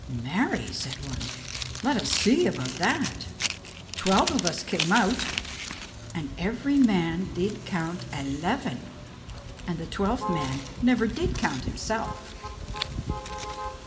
"Marry," said one, "let us see about that. Twelve of us came out," and every man did count eleven, and the twelfth man did never count himself.